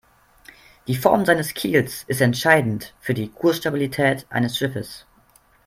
Die Form seines Kiels ist entscheidend für die Kursstabilität eines Schiffes.